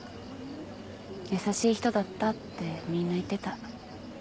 「優しい人だった」ってみんな言ってた。